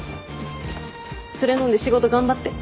それ飲んで仕事頑張って。